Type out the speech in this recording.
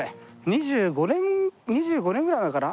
２５年２５年ぐらい前かな？